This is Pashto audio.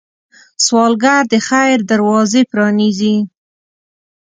سوالګر د خیر دروازې پرانيزي